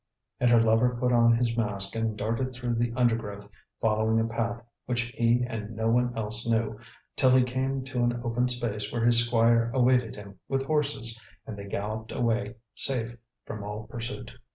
And her lover put on his mask and darted through the undergrowth, following a path which he and no one else knew, till he came to an open space where his squire awaited him with horses, and they galloped away safe from all pursuit.